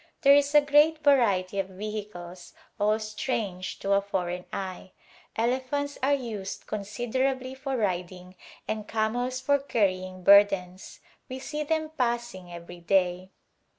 There is a great variety of vehicles, all strange to a foreign eye. Elephants are used con siderably for riding and camels for carrying burdens. We see them passing every day.